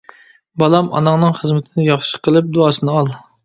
-بالام ئاناڭنىڭ خىزمىتىنى ياخشى قىلىپ دۇئاسىنى ئال.